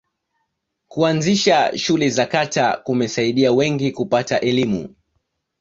kuanzisha shule za kata kumesaidia wengi kupata elimu